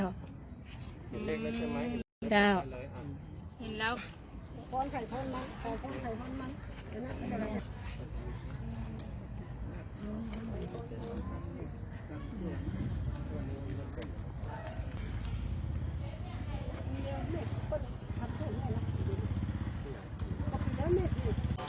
อืมจ้าวเห็นแล้ว